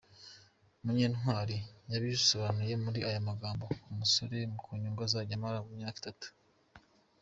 Munyentwari yabisobanuye muri aya magambo “Umusoro ku nyungu uzajya umara imyaka itatu.